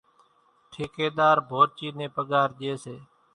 ٺڪيۮار ڀورچِي نين پڳار ڄيَ سي۔